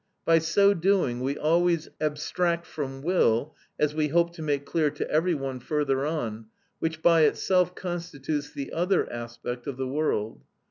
By so doing we always abstract from will (as we hope to make clear to every one further on), which by itself constitutes the other aspect of the world.